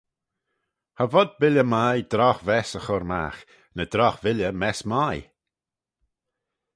Cha vod billey mie drogh-vess y chur magh: ny drogh-villey mess mie.